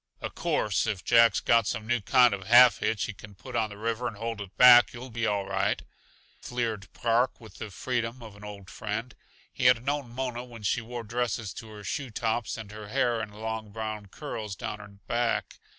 "Uh course, if Jack's got some new kind of half hitch he can put on the river and hold it back yuh'll be all right," fleered Park, with the freedom of an old friend. He had known Mona when she wore dresses to her shoe tops and her hair in long, brown curls down her back.